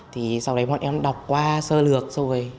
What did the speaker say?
thì sau đấy bọn em đọc qua sơ lược rồi